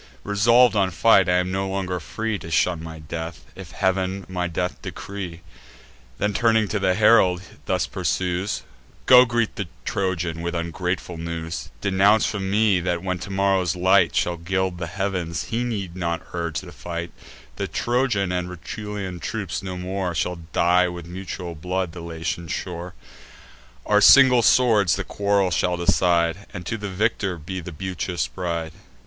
Resolv'd on fight, I am no longer free To shun my death, if Heav'n my death decree." Then turning to the herald, thus pursues: "Go, greet the Trojan with ungrateful news; Denounce from me, that, when tomorrow's light Shall gild the heav'ns, he need not urge the fight; The Trojan and Rutulian troops no more Shall dye, with mutual blood, the Latian shore: Our single swords the quarrel shall decide, And to the victor be the beauteous bride."